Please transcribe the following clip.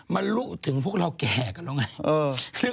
มันรู้ถึงพวกเราแก่กันแล้วไง